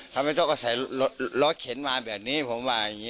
ทำไมเจ้าก็ใส่ลดเขียนมาแบบนี้ผมไป